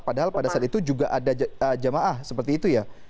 padahal pada saat itu juga ada jamaah seperti itu ya